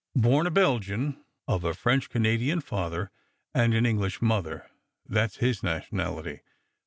Bom a Belgian, of a French Canadian father and an English mother — that's his nationality.